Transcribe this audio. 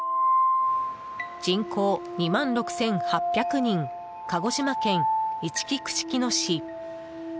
人口２万６８００人鹿児島県いちき串木野市。